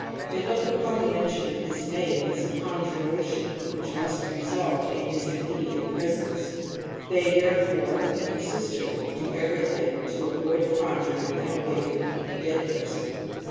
They look upon the mention of his name as a conjuration which must result in his immediate presence*^. They therefore consistently do everything to avoid conjuring and awakening a dead person.